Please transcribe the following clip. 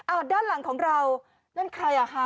ด้านหลังของเรานั่นใครอ่ะคะ